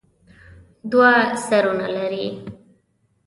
دوه سرونه لري.